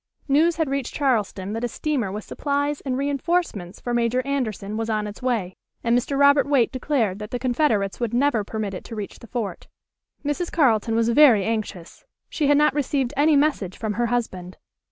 News had reached Charleston that a steamer with supplies and reinforcements for Major Anderson was on its way, and Mr. Robert Waite declared that the Confederates would never permit it to reach the fort. Mrs. Carleton was very anxious. She had not received any message from her husband.